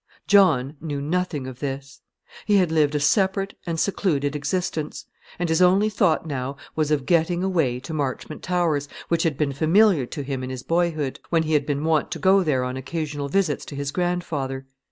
John knew nothing of this. He had lived a separate and secluded existence; and his only thought now was of getting away to Marchmont Towers, which had been familiar to him in his boyhood, when he had been wont to go there on occasional visits to his grandfather.